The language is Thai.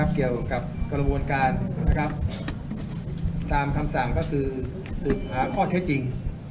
เกี่ยวกับกระบวนการตามคำสั่งก็คือสืบหาข้อเท็จจริง